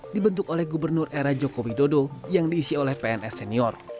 dibentuk oleh gubernur era joko widodo yang diisi oleh pns senior